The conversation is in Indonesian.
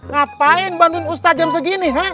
ngapain bantuin ustazah jam segini hah